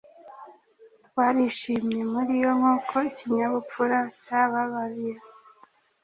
Twarishimye muriyo nkuko ikinyabupfura cyababaye